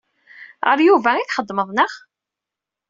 Ɣer Yuba i txeddmeḍ, naɣ?